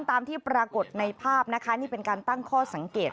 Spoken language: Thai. ตามที่ปรากฏในภาพนะคะนี่เป็นการตั้งข้อสังเกต